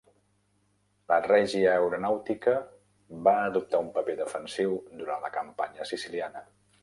La Regia Aeronàutica va adoptar un paper defensiu durant la campanya siciliana.